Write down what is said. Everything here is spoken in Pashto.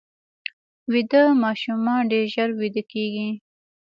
ویده ماشومان ډېر ژر ویده کېږي